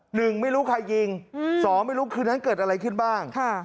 หนึ่งไม่รู้ใครยิงสองไม่รู้คืนนั้นเกิดอะไรขึ้นบ้าง